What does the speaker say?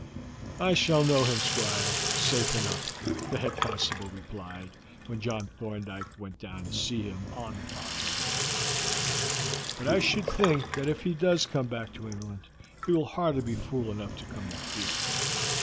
"I shall know him, Squire, safe enough," the head constable replied when John Thorndyke went down to see him on the following day; "but I should think that if he does come back to England he will hardly be fool enough to come down here.